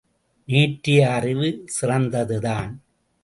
நேற்றைய அறிவு சிறந்ததுதான்.